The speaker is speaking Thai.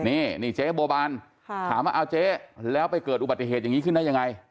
นี่เจ๊บัวบานถามว่าเอาเจ๊แล้วไปเกิดอุบัติเหตุอย่างนี้ขึ้นได้ยังไง